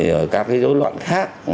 rồi các cái dấu loạn khác